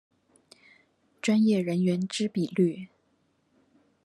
專業人員之比率